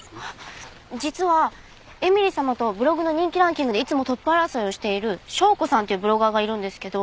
実は絵美里様とブログの人気ランキングでいつもトップ争いをしている紹子さんっていうブロガーがいるんですけど。